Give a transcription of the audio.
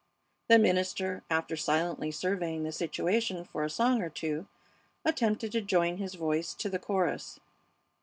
The minister, after silently surveying the situation for a song or two, attempted to join his voice to the chorus.